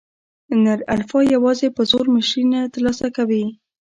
نر الفا یواځې په زور مشري نه تر لاسه کوي.